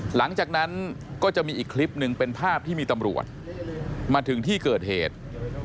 หลังจากนั้นก็จะมีอีกคลิปหนึ่งเป็นภาพที่มีตำรวจมาถึงที่เกิดเหตุ